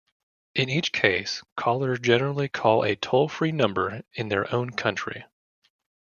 In each case, callers generally call a toll-free number in their own country.